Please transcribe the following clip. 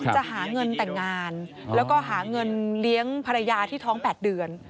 จะหาเงินแต่งงานแล้วก็หาเงินเลี้ยงภรรยาที่ท้อง๘เดือน